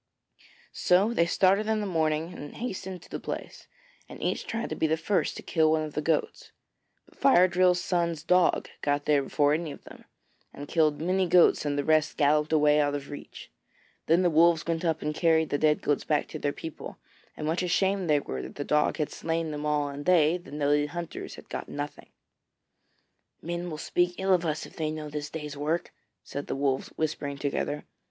So they started in the morning and hastened to the place, and each tried to be the first to kill one of the goats. But Fire drill's son's dog got there before any of them, and killed many goats and the rest galloped away out of reach. Then the Wolves went up and carried the dead goats back to their people, and much ashamed they were that the dog had slain them all and they, the noted hunters, had got nothing. 'Men will speak ill of us if they know of this day's work,' said the Wolves, whispering together.